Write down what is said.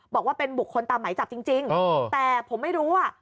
บอกว่าเป็นบุคคลตามหมายจับจริงแต่ผมไม่รู้อ่ะ